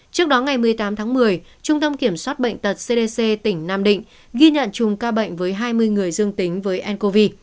trước đó ngày một mươi tám tháng một mươi trung tâm kiểm soát bệnh tật cdc tỉnh nam định ghi nhận chùm ca bệnh với hai mươi người dương tính với ncov